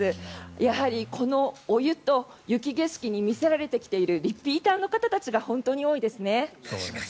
やはり、このお湯と雪景色に魅せられてきているリピーターの方たちが本当に多いですね。